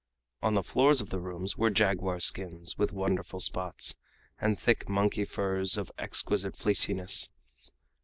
On the floors of the rooms were jaguar skins, with wonderful spots, and thick monkey furs of exquisite fleeciness.